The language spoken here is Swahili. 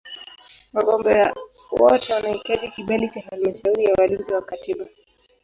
Wagombea wote wanahitaji kibali cha Halmashauri ya Walinzi wa Katiba.